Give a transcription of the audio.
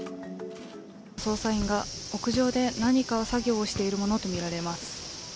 捜査員が屋上で何か作業をしているものとみられます。